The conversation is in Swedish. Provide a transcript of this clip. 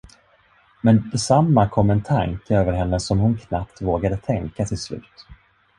Med detsamma kom en tanke över henne som hon knappt vågade tänka till slut.